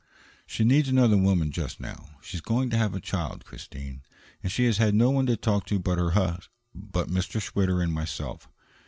"She needs another woman just now. She's going to have a child, Christine; and she has had no one to talk to but her hus but Mr. Schwitter and myself.